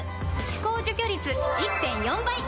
歯垢除去率 １．４ 倍！